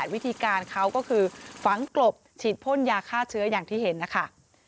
วิธีการเขาก็คือฝังกลบฉีดพ่นยาฆ่าเชื้ออย่างที่เห็นนะคะ